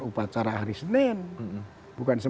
upacara hari senin bukan